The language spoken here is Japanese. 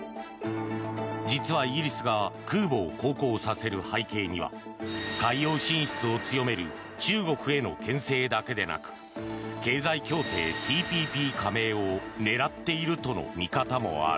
実はイギリスが空母を航行させる背景には海洋進出を強める中国への牽制だけでなく経済協定ＴＰＰ加盟を狙っているとの見方もある。